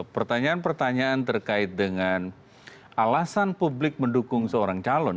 pertanyaan pertanyaan terkait dengan alasan publik mendukung seorang calon